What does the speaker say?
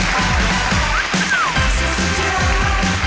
และแน่นอนนะครับเราจะกลับมาสรุปกันต่อนะครับกับรายการสุขที่รักของเรานะครับ